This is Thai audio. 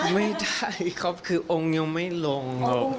ไม่ได้ครับคือองค์ยังไม่ลง